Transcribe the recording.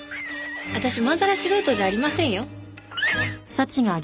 私まんざら素人じゃありませんよ。